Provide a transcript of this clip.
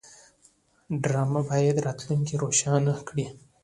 ډرامه باید راتلونکی روښانه کړي